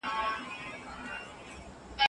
څوک د افغانستان په استازیتوب په نړۍ کي خبري کوي؟